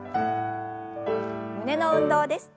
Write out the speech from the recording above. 胸の運動です。